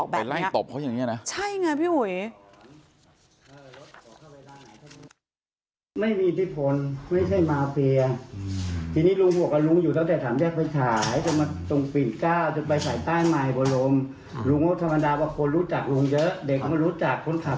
บ้านดามโทษะลุงบอกแบบนี้